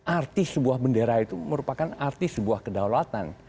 arti sebuah bendera itu merupakan arti sebuah kedaulatan